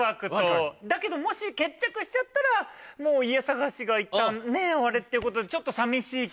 だけどもし決着しちゃったらもう家探しがいったんね終わるってことでちょっと。